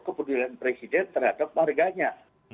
kepedulian presiden terhadap warganya